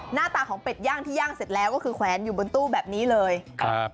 หน้าตาของเป็ดย่างที่ย่างเสร็จแล้วก็คือแขวนอยู่บนตู้แบบนี้เลยครับ